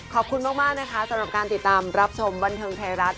ขอบคุณมากนะคะสำหรับการติดตามรับชมบันเทิงไทยรัฐ